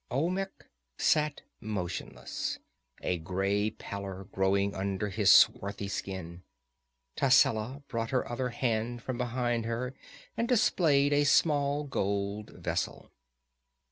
Olmec sat motionless, a gray pallor growing under his swarthy skin. Tascela brought her other hand from behind her and displayed a small gold vessel.